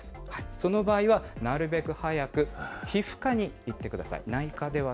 その場合はなるべく早く皮膚科に行ってください。